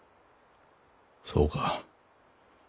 そうか。